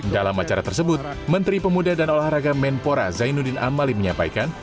dalam acara tersebut menteri pemuda dan olahraga menpora zainuddin amali menyampaikan